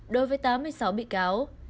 đối với tám mươi sáu bị cáo